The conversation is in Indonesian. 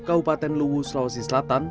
kaupaten luwu sulawesi selatan